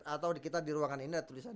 atau kita di ruangan ini ada tulisan